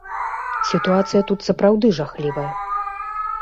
Сітуацыя тут сапраўды жахлівая.